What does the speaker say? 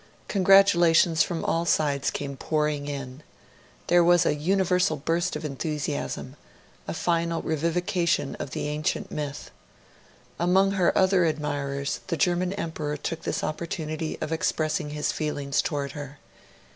Congratulations from all sides came pouring in. There was a universal burst of enthusiasm a final revivification of the ancient myth. Among her other admirers, the German Emperor took this opportunity of expressing his feelings towards her.